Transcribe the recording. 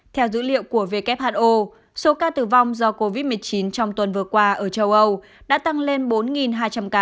theo dữ liệu của who số ca tử vong do covid một mươi chín trong tuần vừa qua ở châu âu đã tăng lên bốn hai trăm linh ca